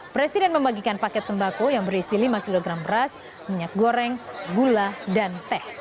presiden membagikan paket sembako yang berisi lima kg beras minyak goreng gula dan teh